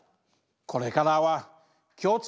これからは気を付けろよ！